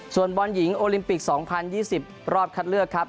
ส่วนบอลหญิงโอลิมปิก๒๐๒๐รอบคัดเลือกครับ